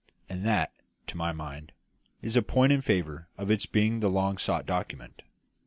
And that, to my mind, is a point in favour of its being the long sought document.